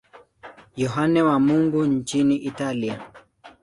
Yohane wa Mungu nchini Italia.